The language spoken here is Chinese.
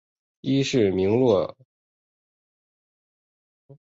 伊是名降落场。